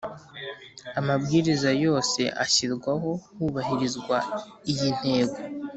Amabwiriza yose ashyirwaho hubahirizwa iyi ntego